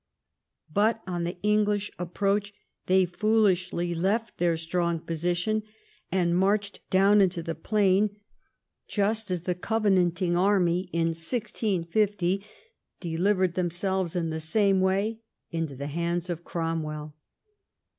But on the English approach, they foolishly left their strong position and marched down into the plain, just as the Covenanting army in 1650 delivered themselves in the same way into the hands of Cromwell.